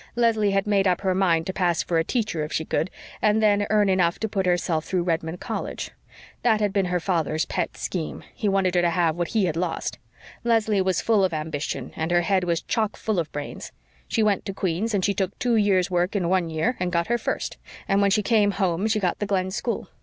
Leslie had made up her mind to pass for a teacher if she could, and then earn enough to put herself through Redmond College. That had been her father's pet scheme he wanted her to have what he had lost. Leslie was full of ambition and her head was chock full of brains. She went to Queen's, and she took two years' work in one year and got her First; and when she came home she got the Glen school.